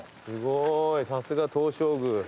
すごいさすが東照宮。